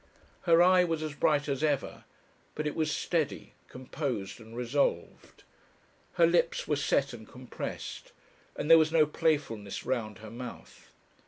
Her eye was as bright as ever, but it was steady, composed, and resolved; her lips were set and compressed, and there was no playfulness round her mouth.